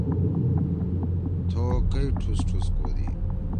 تھوکئی ٹُھس ٹُھس کودی؟